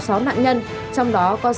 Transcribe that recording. trong đó có sáu nạn nhân dưới một mươi sáu tuổi